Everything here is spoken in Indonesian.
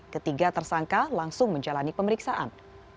ketiga tersangka langsung menjalani pemeriksaan